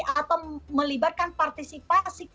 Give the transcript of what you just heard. atau melibatkan partisipasi